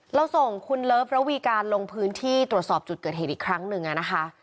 เราส่งคุณเลิฟระวีการลงพื้นที่ตรวจสอบจุดเกิดเหตุอีกครั้งหนึ่งนะคะ